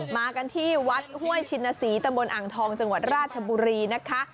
มากันที่วัดห้วยชินศรีตำบลอ่างทองจังหวัดราชบุรีนะคะ